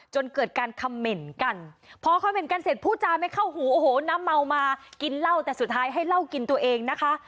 จนเกิดการคำเหม็นกันพอคำเห็นกันเสร็จผู้จาไม่เข้าหูโอ้โหน้ำเมามากินเหล้าแต่สุดท้ายให้เหล้ากินตัวเองนะคะ